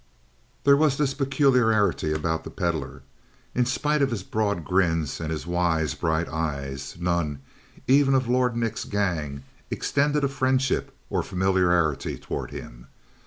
There was this peculiarity about the Pedlar. In spite of his broad grins and his wise, bright eyes, none, even of Lord Nick's gang, extended a friendship or familiarity toward him.